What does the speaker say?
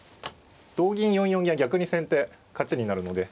同銀４四銀は逆に先手勝ちになるので。